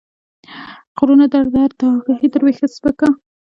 غرونه درد داګاهي تر ويښته سپک کا